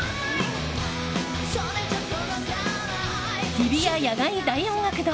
日比谷野外大音楽堂